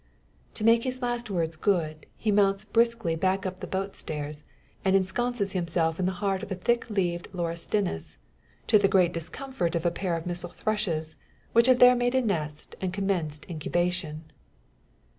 To make his last words good, he mounts briskly back up the boat stairs, and ensconces himself in the heart of a thick leaved laurestinus to the great discomfort of a pair of missel thrushes, which have there made nest, and commenced incubation.